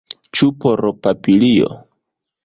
Ĉu por papilio?